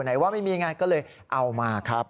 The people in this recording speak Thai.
ไหนว่าไม่มีไงก็เลยเอามาครับ